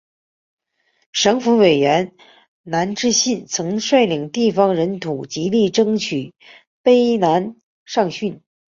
省府委员南志信曾率领地方人士极力争取卑南上圳。